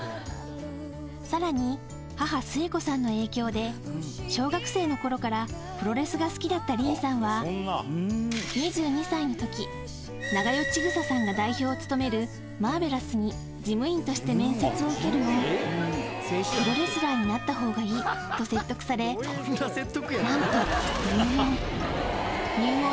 さらに母、末子さんの影響で、小学生のころからプロレスが好きだった凛さんは、２２歳のとき、長与千種さんが代表を務めるマーベラスに、事務員として面接を受けるも、プロレスラーになったほうがいいと説得され、なんと入門。